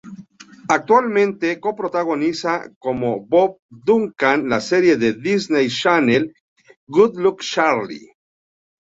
Actualmente co-protagoniza como Bob Duncan la serie de Disney Channel, "Good Luck Charlie".